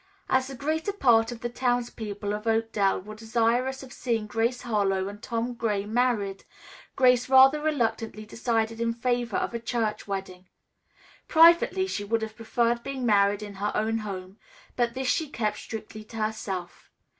As the greater part of the townspeople of Oakdale were desirous of seeing Grace Harlowe and Tom Gray married, Grace rather reluctantly decided in favor of a church wedding. Privately she would have preferred being married in her own home, but this she kept strictly to herself.